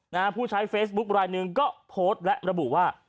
ผู้ใช้เฟซบุ๊คลายหนึ่งก็โพสต์และระบุว่า